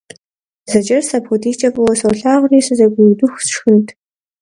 Зэкӏэрыс апхуэдизкӏэ фӏыуэ солъагъури сызэгуиудыху сшхынт.